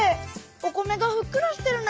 お米がふっくらしてるね。